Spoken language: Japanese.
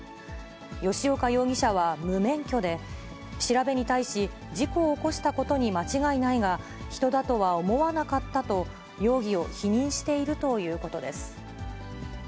吉岡容疑者は無免許で、調べに対し事故を起こしたことに間違いないが、人だとは思わなかったと、容疑を否認しているということです。